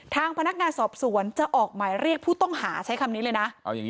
ทางพนักงานสอบสวนจะออกหมายเรียกผู้ต้องหาใช้คำนี้เลยนะ